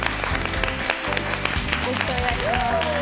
よろしくお願いします。